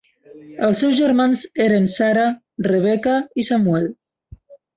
Els seus germans eren Sara, Rebecca i Samuel.